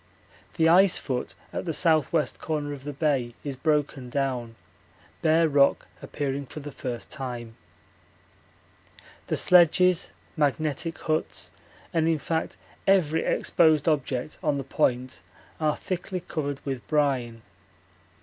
The ice foot at the S.W. corner of the bay is broken down, bare rock appearing for the first time. The sledges, magnetic huts, and in fact every exposed object on the Point are thickly covered with brine.